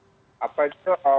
jadi saya match apa itu